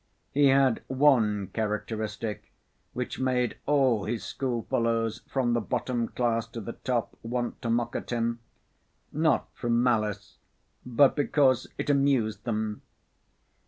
He had one characteristic which made all his schoolfellows from the bottom class to the top want to mock at him, not from malice but because it amused them.